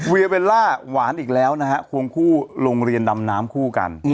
เบลล่าหวานอีกแล้วนะฮะควงคู่โรงเรียนดำน้ำคู่กัน